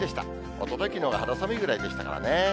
おととい、きのうが肌寒いくらいでしたからね。